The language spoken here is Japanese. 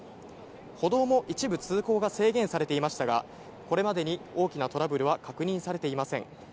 歩道も一部通行が制限されていましたが、これまでに大きなトラブルは確認されていません。